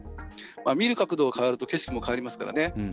見る角度が変わると景色も変わりますからね。